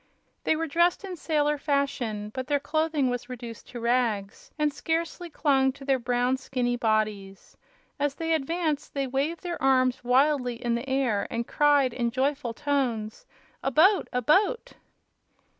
They were dressed in sailor fashion, but their clothing was reduced to rags and scarcely clung to their brown, skinny bodies. As they advanced they waved their arms wildly in the air and cried in joyful tones: "A boat! a boat!"